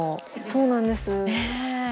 そうなんです。